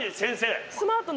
スマートな！